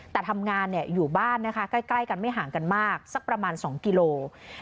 แต่ทำงานอยู่บ้านนะคะใกล้กันไม่ห่างกันมากสักประมาณ๒กิโล